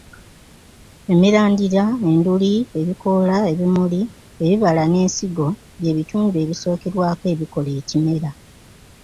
Emirandira, enduli, ebikoola, ebimuli, ebibala n'ensigo by'ebitundu ebisookerwako ebikola ekimera